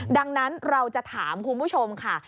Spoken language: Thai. ดังนั้นเราจะถามคุณผู้ชมค่ะ